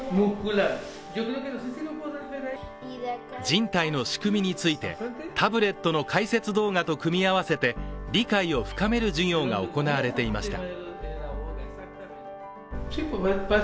人体の仕組みについて、タブレットの解説動画と組み合わせて理解を深める授業が行われていました。